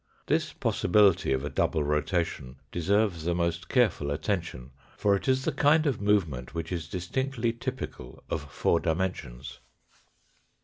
This possibility of a double rotation deserves the most careful attention, for it is the kind of movement which is distinctly typical of four dimensions.